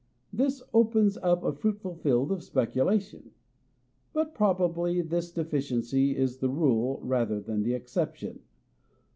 This opens up a fruitful field of speculation, but probably this deficiency is the rule rather than the exception.